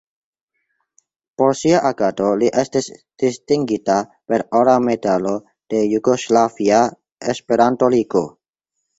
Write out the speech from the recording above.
Por sia agado li estis distingita per Ora medalo de Jugoslavia Esperanto-Ligo.